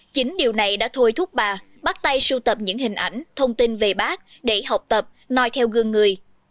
chính điều này đã thôi thúc bà bắt tay sưu tập những hình ảnh thông tin về bác để học tập nói theo gương người